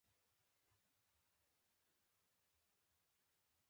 مونږ د کس پاګوړۍ سکول کښې وو